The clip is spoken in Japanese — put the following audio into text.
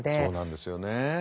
そうなんですよね。